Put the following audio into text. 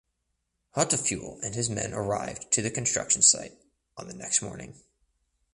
Hautefeuille and his men arrived to the construction site on the next morning.